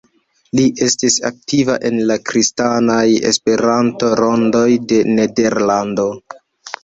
Li estis aktiva en la kristanaj Esperanto-rondoj de Nederlando.